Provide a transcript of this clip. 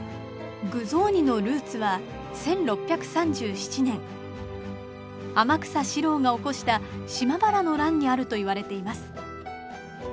具雑煮のルーツは１６３７年天草四郎が起こした島原の乱にあるといわれています。